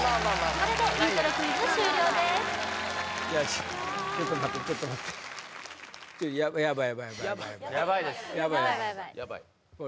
これでイントロクイズ終了ですいやちょっと待ってちょっと待ってヤバい？